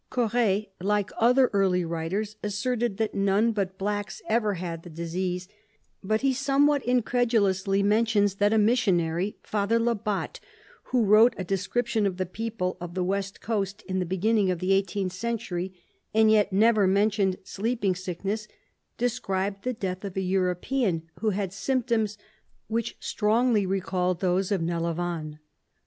Corre, like other early writers, asserted that none but blacks ever had the disease, but he somewhat incredulously mentions that a missionary, Father Labat, who wrote a de scription of the people of the West Coast in the beginning of the eighteenth century, and yet never mentioned sleeping sickness, described the death of a European who had symptoms which strongly recalled those of Nelavane.